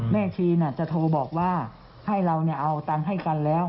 ชีจะโทรบอกว่าให้เราเอาตังค์ให้กันแล้ว